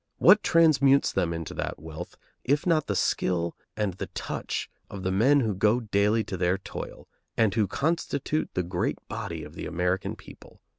What transmutes them into that wealth, if not the skill and the touch of the men who go daily to their toil and who constitute the great body of the American people?